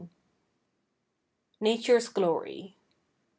NATURE'S GLORY.